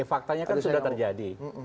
faktanya kan sudah terjadi